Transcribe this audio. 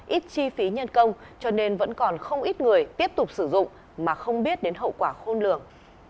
ít chi phí nhân công cho nên vẫn còn không ít người tiếp tục sử dụng mà không biết đến hậu quả khôn lường